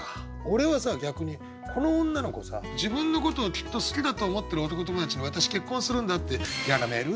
俺はさ逆にこの女の子さ自分のことをきっと好きだと思ってる男友達に「私結婚するんだ」って嫌なメール打つなと思った。